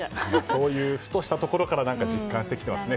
そういう、ふとしたところから実感してきていますね。